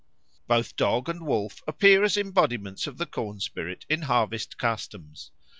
Both dog and wolf appear as embodiments of the corn spirit in harvest customs.